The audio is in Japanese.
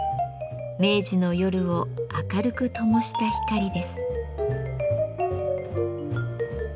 明治の夜を明るくともした光です。